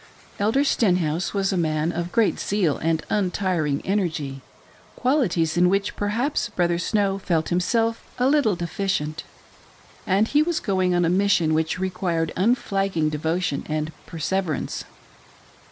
Elder Stenhouse was a man of great zeal and untiring energy— qualities in which perhaps Brother Snow felt himself a little deficient ; and he was going on a mission which required unflagging devotion and perse SENT ON A MISSION TO ITALY. 93 verance.